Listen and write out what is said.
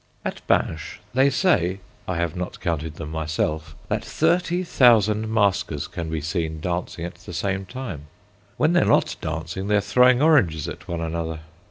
At Binche, they say—I have not counted them myself—that thirty thousand maskers can be seen dancing at the same time. When they are not dancing they are throwing oranges at one another.